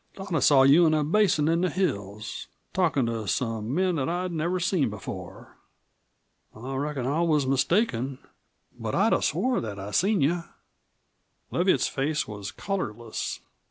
Thought I saw you in a basin in the hills, talkin' to some men that I'd never seen before. I reckon I was mistaken, but I'd have swore that I'd seen you." Leviatt's face was colorless.